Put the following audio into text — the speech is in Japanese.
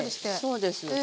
そうです。